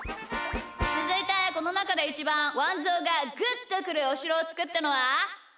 つづいてこのなかでイチバンワンぞうがグッとくるおしろをつくったのは？